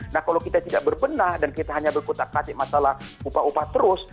nah kalau kita tidak berbenah dan kita hanya berkutak katik masalah upah upah terus